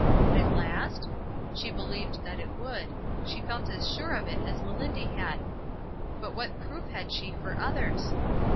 Would it last? She believed that it would, she felt as sure of it as Melindy had ; but what proof had she for others?